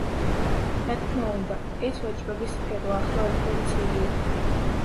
რა თქმა უნდა ეს ვაჭრობის სფერო ახლა უფრო მწირია.